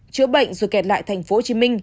chữa bệnh rồi kẹt lại tp hcm